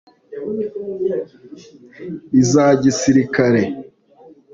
iza Gisirikare